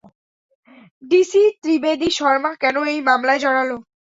DC Trivedi Sharma কেন এই মামলায় জড়ালো?